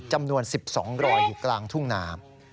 จำนวน๑๒รอยอยู่กลางทุ่งนา